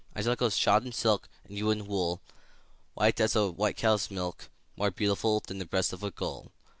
I shall go shod in silk, And you in wool, White as a white cow's milk, More beautiful Than the breast of a gull.